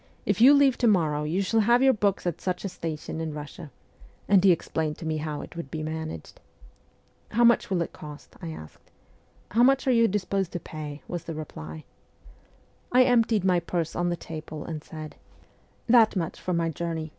If you leave to morrow, you shall have your books at such a station in Russia,' and he explained to me how it would be managed. ' How much will it cost ?' I asked. ' How much are you disposed to pay ?' was the reply. I emptied my purse on the table, and said :' That VOL. II. G 82 MEMOIRS OF A REVOLUTIONIST much for my journey.